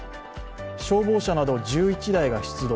消防車など１１台が出動。